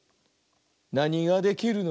「なにができるの？